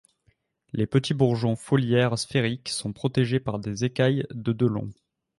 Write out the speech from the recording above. Les petits bourgeons foliaires sphériques sont protégés par des écailles de de long.